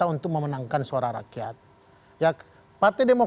bahwa nanti bisa menjadi jalan perjuangan obat jiangoh